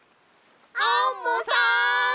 アンモさん！